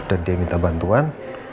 dan dia minta bantuan